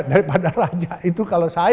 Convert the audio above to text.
daripada raja itu kalau saya